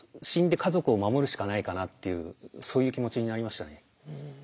死んで家族を守るしかないかなっていうそういう気持ちになりましたね。